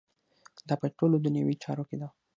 دا په ټولو دنیوي چارو کې ده.